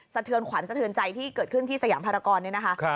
เทือนขวัญสะเทือนใจที่เกิดขึ้นที่สยามภารกรเนี่ยนะคะ